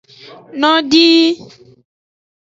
Nodii.